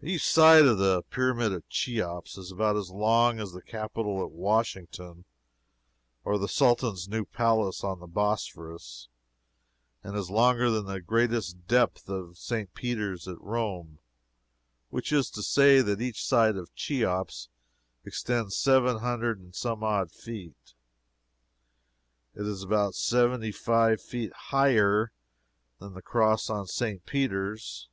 Each side of the Pyramid of Cheops is about as long as the Capitol at Washington, or the Sultan's new palace on the Bosporus, and is longer than the greatest depth of St. Peter's at Rome which is to say that each side of Cheops extends seven hundred and some odd feet. It is about seventy five feet higher than the cross on St. Peter's.